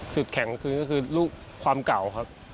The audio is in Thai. สุดแข่งก็คือลูกความเก่าครับ